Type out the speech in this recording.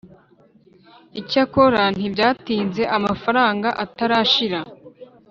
icyakora, ntibyatinze amafaranga atarashira,